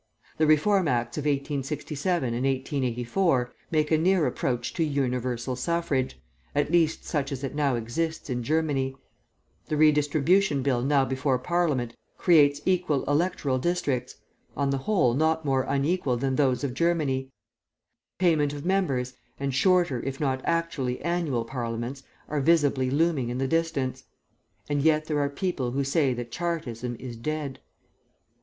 The Reform Acts of 1867 and 1884 make a near approach to 'universal suffrage,' at least such as it now exists in Germany; the Redistribution Bill now before Parliament creates 'equal electoral districts' on the whole not more unequal than those of Germany; 'payment of members,' and shorter, if not actually 'annual Parliaments,' are visibly looming in the distance and yet there are people who say that Chartism is dead.